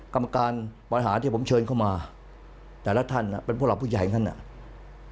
กรรมการบริหารที่ผมเชิญเข้ามาแต่ละท่านเป็นผู้หลักผู้ใหญ่ท่านอ่ะ